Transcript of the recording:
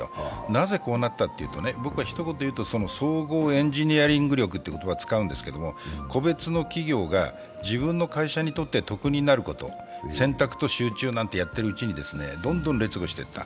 なぜそうなったのかというと、ひと言で言うと総合エンジニアリングという言葉を使うんですけれども、個別の企業が自分の会社にとって得になること選択と集中なんてやっているうちにどんどん劣後していった。